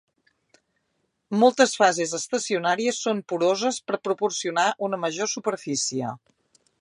Moltes fases estacionàries són poroses per proporcionar una major superfície.